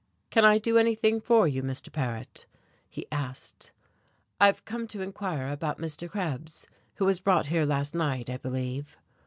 "Can I do anything for you, Mr. Paret?" he asked. "I have come to inquire about Mr. Krebs, who was brought here last night, I believe."